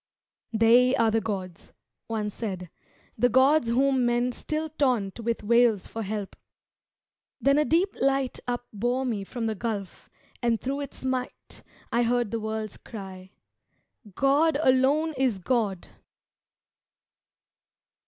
"They are the gods," one said "the gods whom men Still taunt with wails for help." Then a deep light Upbore me from the Gulf, and thro' its might I heard the worlds cry, "God alone is God!"